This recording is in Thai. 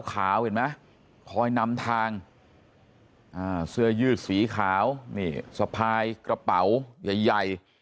ขาวเห็นไหมคอยนำทางเสื้อยืดสีขาวนี่สะพายกระเป๋าใหญ่ใหญ่